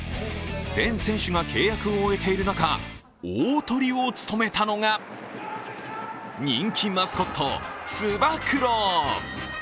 全選手が契約を終えている中、大トリを務めたのが人気マスコット、つば九郎。